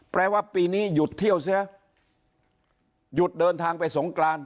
แปลว่าปีนี้หยุดเที่ยวเสียหยุดเดินทางไปสงกราน